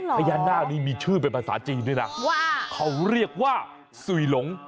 พญานาคนี้มีชื่อเป็นภาษาจีนด้วยนะว่าเขาเรียกว่าสุยหลง